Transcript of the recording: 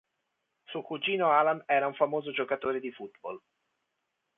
Suo cugino Alan era un famoso giocatore di football.